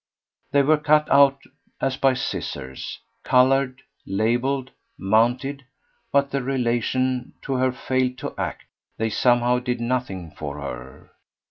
They were cut out as by scissors, coloured, labelled, mounted; but their relation to her failed to act they somehow did nothing for her.